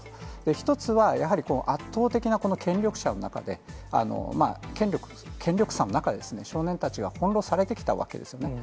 １つは、やはり圧倒的な権力者の中で、権力差の中で、少年たちが翻弄されてきたわけですよね。